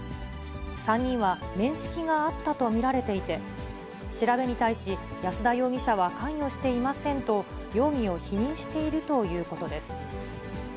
３人は面識があったと見られていて、調べに対し、安田容疑者は、関与していませんと、容疑を否認しているということです。